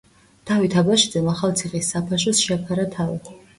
დავით აბაშიძემ ახალციხის საფაშოს შეაფარა თავი.